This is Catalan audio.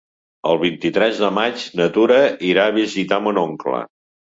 El vint-i-tres de maig na Tura irà a visitar mon oncle.